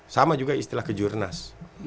sama juga istilah kejurnas